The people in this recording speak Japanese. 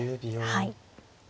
はい。